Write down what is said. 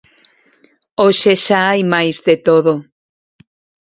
Hoxe xa hai máis de todo.